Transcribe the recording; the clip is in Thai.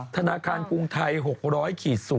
ธนาคารกรุงไทย๖๐๐